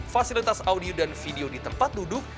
fasilitas audio dan video di tempat duduk